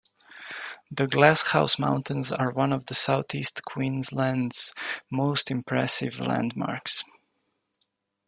The Glass House Mountains are one of southeast Queensland's most impressive landmarks.